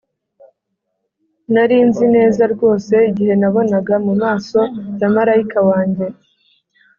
nari nzi neza rwose igihe nabonaga mumaso ya marayika wanjye.